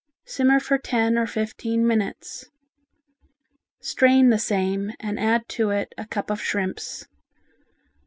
Simmer for ten or fifteen minutes. Strain the same and add to it a cup of shrimps.